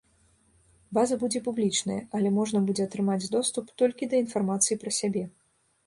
База будзе публічная, але можна будзе атрымаць доступ толькі да інфармацыі пра сябе.